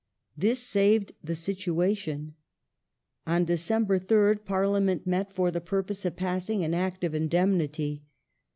This saved the situation. On December 3rd Parliament met for the purpose of passing an Act of Indemnity.